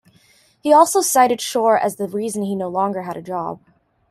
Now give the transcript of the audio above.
He also cited Shore as the reason he no longer had a job.